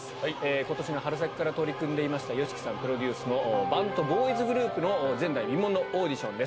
ことしの春先から取り組んでいました、ＹＯＳＨＩＫＩさんプロデュースのバンド、ボーイズグループの前代未聞のオーディションです。